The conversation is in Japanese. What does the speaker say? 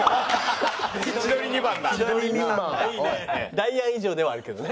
ダイアン以上ではあるけどね。